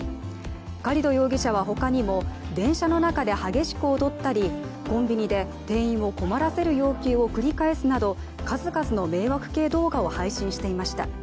カリド容疑者は他にも電車の中で激しく踊ったりコンビニで店員を困らせる要求を繰り返すなど数々の迷惑系動画を配信していました。